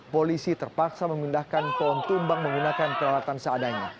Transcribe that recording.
polisi terpaksa memindahkan pohon tumbang menggunakan peralatan seadanya